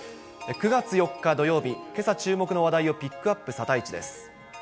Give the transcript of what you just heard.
９月４日土曜日、けさ注目の話題をピックアップ、サタイチです。